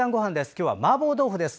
今日は、マーボー豆腐です。